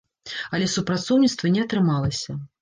Але супрацоўніцтва не атрымалася.